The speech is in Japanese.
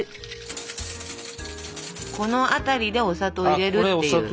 この辺りでお砂糖入れるっていう。